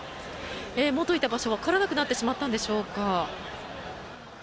元居た場所がわからなくなってしまったんでしょうか。